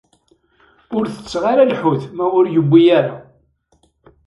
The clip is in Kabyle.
Ur tetteɣ ara lḥut ma ur yewwi ara.